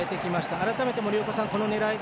改めて森岡さん、この狙いは。